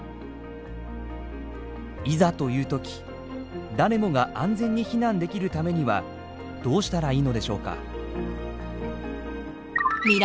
いざというとき誰もが安全に避難できるためにはどうしたらいいのでしょうか？